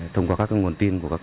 thông qua các nguồn tin của các cấp